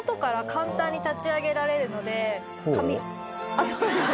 あっそうです。